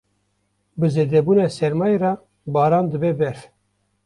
Bi zêdebûna sermayê re, baran dibe berf.